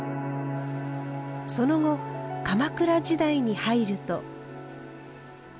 その後鎌倉時代に入ると。